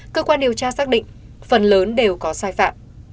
cơ quan điều tra xác định phần lớn đều có sai phạm